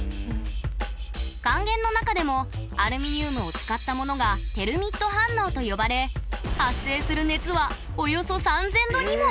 還元の中でもアルミニウムを使ったものが「テルミット反応」と呼ばれ発生する熱はおよそ３０００℃にも！